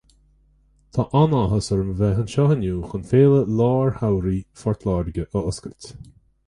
Tá an-áthas orm a bheith anseo inniu chun Féile Lár-Shamhraidh Phort Láirge a oscailt.